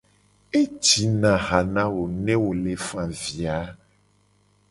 Ejina ha na wo ne wo le fa avi a.